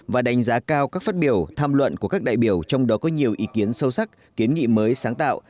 và đánh giá cao các phát biểu tham luận của các đại biểu trong đó có nhiều ý kiến sâu sắc kiến nghị mới sáng tạo